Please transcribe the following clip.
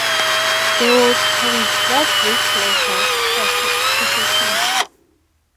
They would covet rich locals’ possessions.